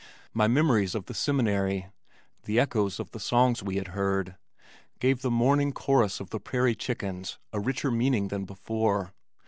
My memories of the Seminary, the echoes of the songs we had heard, gave the morning chorus of the prairie chickens a richer meaning than before.